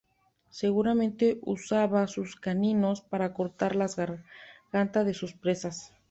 Seguramente usaba sus caninos para cortar la garganta de sus presas.